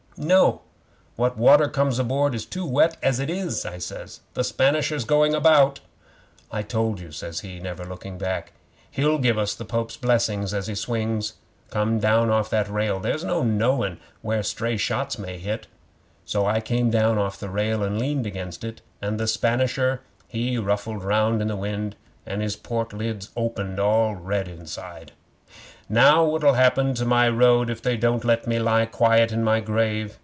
'"No. What water comes aboard is too wet as 'tis," I says. "The Spanisher's going about." '"I told you," says he, never looking back. "He'll give us the Pope's Blessing as he swings. Come down off that rail. There's no knowin' where stray shots may hit." So I came down off the rail, and leaned against it, and the Spanisher he ruffled round in the wind, and his port lids opened all red inside. '"Now what'll happen to my road if they don't let me lie quiet in my grave?"